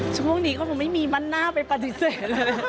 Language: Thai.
ช่วงนี้เขาคงไม่มีมั่นหน้าไปปฏิเสธเลย